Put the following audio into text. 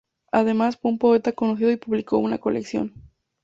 Además fue un poeta conocido y publicó una colección.